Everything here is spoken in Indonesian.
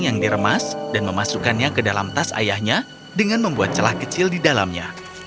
yang diremas dan memasukkannya ke dalam tas ayahnya dengan membuat celah kecil di dalamnya